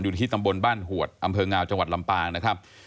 ที่ตำบลบ้านหวดอำเภองาวจังหวัดลำปางนะครับ